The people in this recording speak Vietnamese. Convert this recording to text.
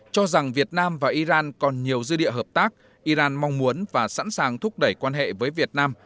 cho rằng việt nam và iran còn nhiều dư địa hợp tác iran mong muốn và sẵn sàng thúc đẩy quan hệ với việt nam